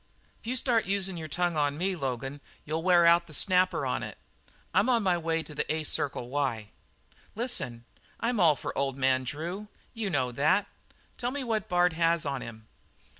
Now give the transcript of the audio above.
"If you start usin' your tongue on me, Logan you'll wear out the snapper on it. I'm on my way to the A Circle Y." "Listen; I'm all for old man Drew. You know that. Tell me what Bard has on him?"